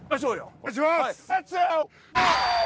お願いします！